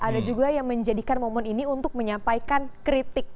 ada juga yang menjadikan momen ini untuk menyampaikan kritik